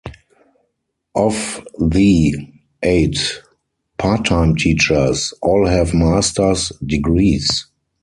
Of the eight part-time teachers, all have master's degrees.